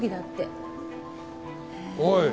おい。